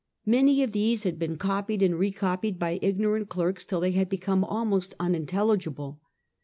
Many of these had been copied and recopied by ignorant clerks till they had become almost unintelligible.